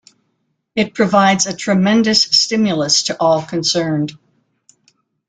It provides a tremendous stimulus to all concerned.